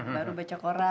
baru baca koran